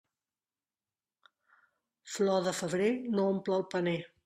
Flor de febrer no omple el paner.